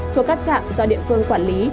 thuộc các trạm do điện phương quản lý